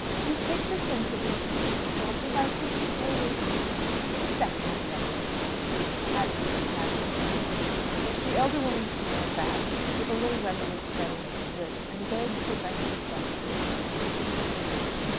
"You take the sensible view, Mrs. Dobbs, as I think you always do except at election time," added Mrs. Hadlow, smiling. The elder woman smiled back, with a little resolute setting of the lips, and begged her best respects to the canon as she took her leave.